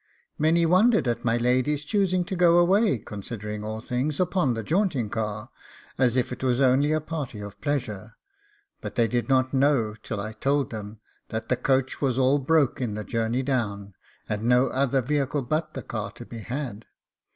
Many wondered at my lady's choosing to go away, considering all things, upon the jaunting car, as if it was only a party of pleasure; but they did not know till I told them that the coach was all broke in the journey down, and no other vehicle but the car to be had.